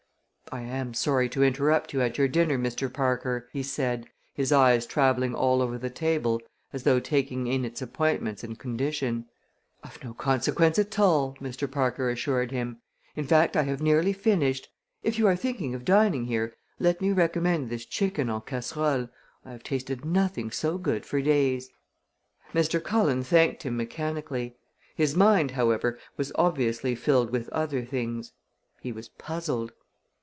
"I am sorry to interrupt you at your dinner, Mr. Parker," he said, his eyes traveling all over the table as though taking in its appointments and condition. "Of no consequence at all," Mr. Parker assured him; "in fact I have nearly finished. If you are thinking of dining here let me recommend this chicken en casserole. I have tasted nothing so good for days!" Mr. Cullen thanked him mechanically. His mind, however, was obviously filled with other things. He was puzzled.